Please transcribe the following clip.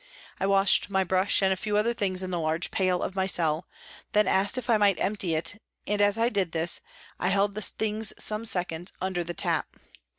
I washed my brush and a few other things in the large pail of my cell, then asked if I might empty it, and, as I did this, I held the things some seconds under the tap.